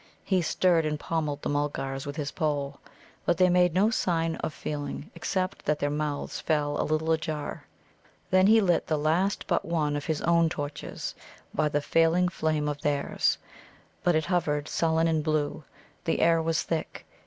He stirred and pommelled the Mulgars with his pole. But they made no sign of feeling, except that their mouths fell a little ajar. Then he lit the last but one of his own torches by the failing flame of theirs. But it hovered sullen and blue. The air was thick.